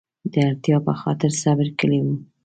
د اړتیا په خاطر صبر کړی و.